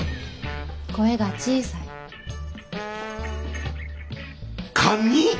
声が小さい。堪忍！